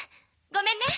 ごめんね。